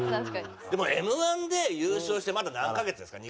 でもＭ−１で優勝してまだ何カ月ですか？